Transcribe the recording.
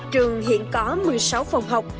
trường hiện có một mươi sáu phòng học